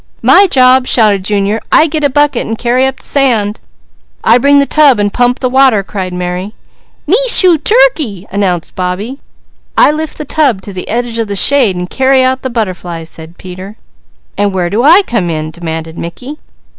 "My job!" shouted Junior. "I get a bucket and carry up the sand!" "I bring the tub and pump the water!" cried Mary. "Me shoo turkey!" announced Bobbie. "I lift the tub to the edge of the shade and carry out the Butterfly!" said Peter. "And where do I come in?" demanded Mickey.